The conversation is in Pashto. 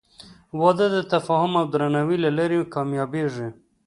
• واده د تفاهم او درناوي له لارې کامیابېږي.